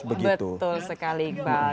betul sekali iqbal